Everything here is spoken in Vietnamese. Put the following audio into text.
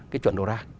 cái chuẩn đầu ra